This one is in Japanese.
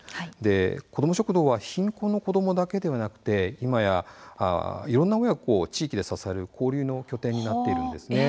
子ども食堂は貧困の子どもだけではなくて今やいろんな親子を地域で支える交流の拠点になっているんです。